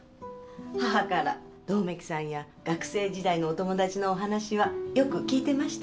母から百目鬼さんや学生時代のお友達のお話はよく聞いてました。